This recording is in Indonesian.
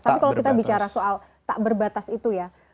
tapi kalau kita bicara soal tak berbatas itu ya